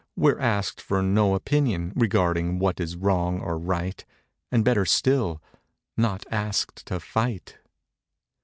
We're asked for no opinion Regarding what is wrong or right; And, better still—not asked to fight.